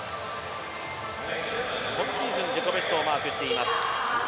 今シーズン、自己ベストをマークしています。